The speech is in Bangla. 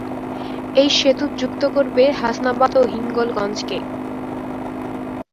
এই সেতু যুক্ত করবে হাসনাবাদ ও হিঙ্গলগঞ্জকে।